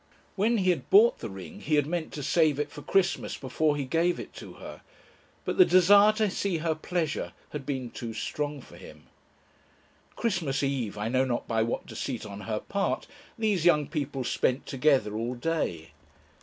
When he had bought the ring he had meant to save it for Christmas before he gave it to her. But the desire to see her pleasure had been too strong for him. Christmas Eve, I know not by what deceit on her part, these young people spent together all day.